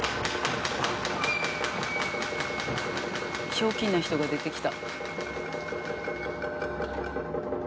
ひょうきんな人が出てきた。